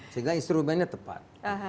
sehingga instrumennya tepat